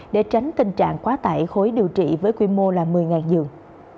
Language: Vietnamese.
để tránh tình trạng quá tải khối điều trị với quy mô là một mươi giường